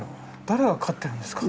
誰が飼ってるんですか？